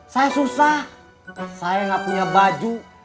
saya susah saya nggak punya baju